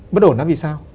bất ổn là vì sao